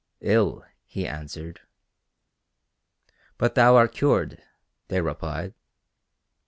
"Ill," he answered. "But thou art cured," they replied.